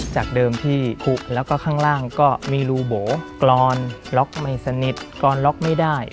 จากเดิมที่ผูกแล้วก็ข้างล่างก็มีรูโบกรอนล็อกไม่สนิทกรอนล็อกไม่ได้